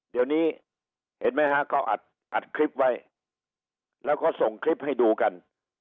เดี๋ยวนี้เห็นไหมฮะก็อัดคลิปไว้แล้วก็ส่งคลิปให้ดูกัน